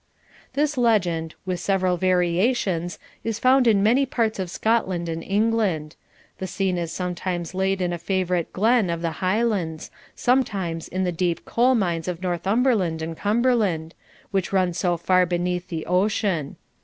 This legend, with several variations, is found in many parts of Scotland and England; the scene is sometimes laid in some favourite glen of the Highlands, sometimes in the deep coal mines of Northumberland and Cumberland, which run so far beneath the ocean.